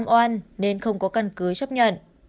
giam oan nên không có căn cứ chấp nhận